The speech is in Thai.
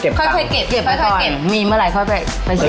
เก็บจัง